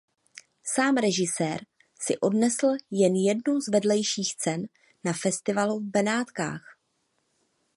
Sám režisér si odnesl jen jednu z vedlejších cen na festivalu v Benátkách.